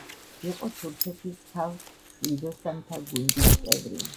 იყო თურქეთის ქალ მშვილდოსანთა გუნდის წევრი.